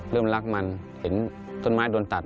เริ่มรักมันเห็นต้นไม้โดนตัด